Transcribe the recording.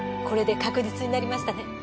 これで確実になりましたね。